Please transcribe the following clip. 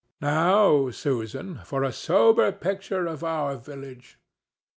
Now, Susan, for a sober picture of our village.